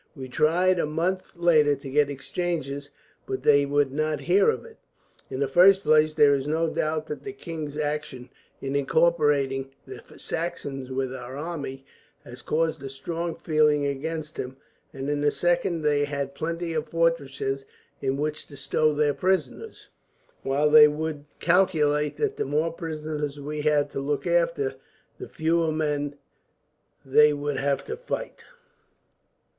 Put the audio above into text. We tried a month later to get exchanges, but they would not hear of it. In the first place, there is no doubt that the king's action, in incorporating the Saxons with our army, has caused a strong feeling against him; and in the second, they had plenty of fortresses in which to stow their prisoners, while they would calculate that the more prisoners we had to look after, the fewer men they would have to fight.